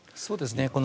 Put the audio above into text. そうですね。